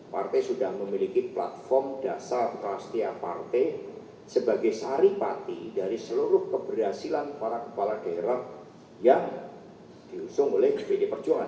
partai sudah memiliki platform dasar prastia partai sebagai saripati dari seluruh keberhasilan para kepala daerah yang diusung oleh pd perjuangan